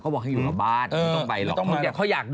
บอกให้อยู่กับบ้านไม่ต้องไปหรอก